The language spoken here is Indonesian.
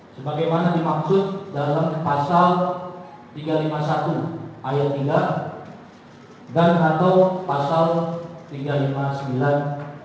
sebagaimana dimaksud dalam pasal tiga ratus lima puluh satu ayat tiga dan atau pasal tiga ratus lima puluh sembilan